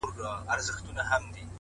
• مسافر ليونى،